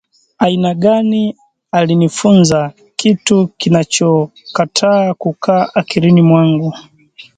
aina gani alinifunza kitu kinachokataa kukaa akilini mwangu